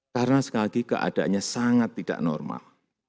karena sekali lagi keadanya sangat tidak normal